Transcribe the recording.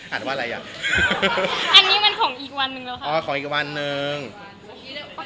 อันนี้มันของอีกวันหนึ่งแล้วค่ะ